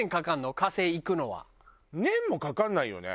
年もかかんないよね？